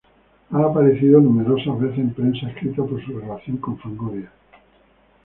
Ha aparecido numerosas veces en prensa escrita por su relación con Fangoria.